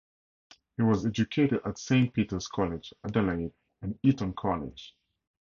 He was educated at Saint Peter's College, Adelaide, and Eton College.